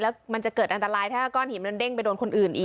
แล้วมันจะเกิดอันตรายถ้าก้อนหินมันเด้งไปโดนคนอื่นอีก